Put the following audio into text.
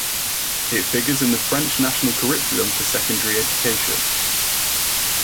It figures in the French national curriculum for secondary education.